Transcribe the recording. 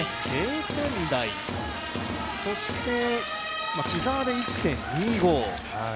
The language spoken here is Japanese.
０点台、そして木澤で１．２５。